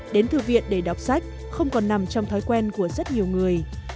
đến thư viện để đọc sách không còn nằm trong thói quen của rất nhiều người